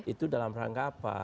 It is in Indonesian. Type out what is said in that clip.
itu dalam rangka apa